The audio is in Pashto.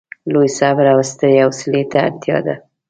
لوی صبر او سترې حوصلې ته اړتیا ده.